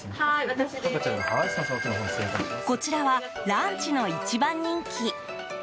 こちらはランチの一番人気。